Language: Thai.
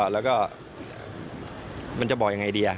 แล้วก็มันจะบอกยังไงดี